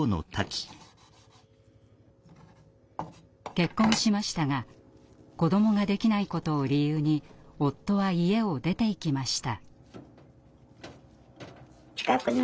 結婚しましたが子どもができないことを理由に夫は家を出ていきました。